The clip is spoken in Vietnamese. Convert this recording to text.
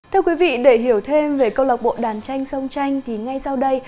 thưa quý vị để hiểu thêm về cô lạc bộ đàn tranh sung tranh thì ngay sau đây